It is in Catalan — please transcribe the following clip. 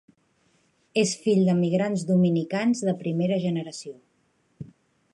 És fill d'emigrants dominicans de primera generació.